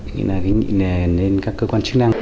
nghĩa là các cơ quan chức năng